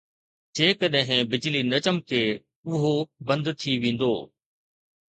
جيڪڏهن بجلي نه چمڪي، اهو بند ٿي ويندو.